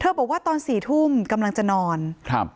บอกว่าตอนสี่ทุ่มกำลังจะนอนครับ